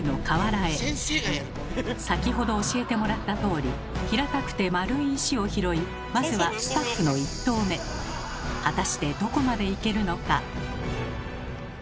先生がやるの⁉先ほど教えてもらったとおり平たくて丸い石を拾いまずは果たしてどこまでいけるのか。